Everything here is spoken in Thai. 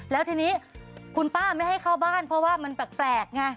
แล้วทีนี้คุณป้าไม่ให้เข้าบ้านเพราะว่ามันแปลกไง